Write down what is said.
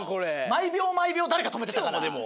毎秒毎秒誰か停めてたから。